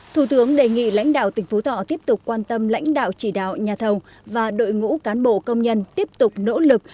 thủ tướng đề nghị lãnh đạo tỉnh phú thọ tiếp tục quan tâm lãnh đạo chỉ đạo nhà thầu và đội ngũ cán bộ công nhân tiếp tục nỗ lực